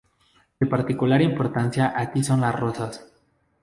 De particular importancia aquí son las rosas.